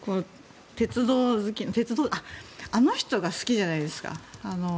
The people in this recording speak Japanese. あっ、あの人が好きじゃないですか。